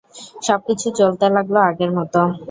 সবকিছু চলতে লাগল আগের মতো।